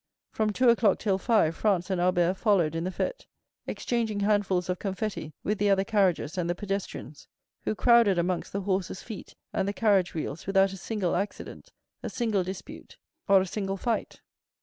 From two o'clock till five Franz and Albert followed in the fête, exchanging handfuls of confetti with the other carriages and the pedestrians, who crowded amongst the horses' feet and the carriage wheels without a single accident, a single dispute, or a single fight.